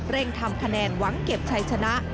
ทำคะแนนหวังเก็บชัยชนะ